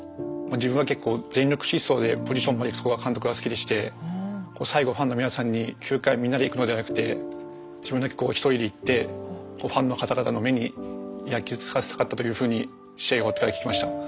自分は結構全力疾走でポジションまで行くとこが監督が好きでして最後ファンの皆さんに９回みんなで行くのじゃなくて自分だけ１人で行ってファンの方々の目に焼きつかせかったというふうに試合が終わってから聞きました。